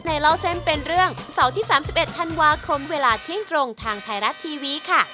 เล่าเส้นเป็นเรื่องเสาร์ที่๓๑ธันวาคมเวลาเที่ยงตรงทางไทยรัฐทีวีค่ะ